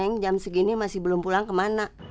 yang jam segini masih belum pulang kemana